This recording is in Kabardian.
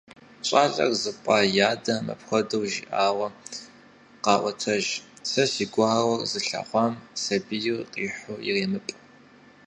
ЩӀалэр зыпӀа и адэм мыпхуэдэу жиӀауэ къаӀуэтэж: «Сэ си гуауэр зылъэгъуам сабий къихьу иремыпӀ».